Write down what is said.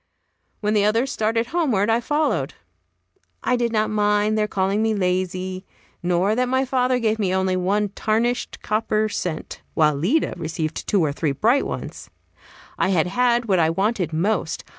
When the others started homeward, I followed. I did not mind their calling me lazy, nor that my father gave me only one tarnished copper cent, while Lida received two or three bright ones. I had had what I wanted most.